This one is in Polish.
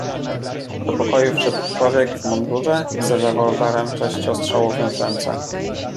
"Do pokoju wszedł człowiek w mundurze, z rewolwerem sześciostrzałowym w ręce."